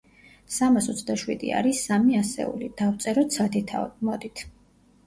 სამას ოცდაშვიდი არის სამი ასეული, დავწეროთ სათითაოდ, მოდით.